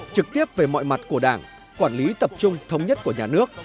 trực tiếp về mọi mặt của đảng quản lý tập trung thống nhất của nhà nước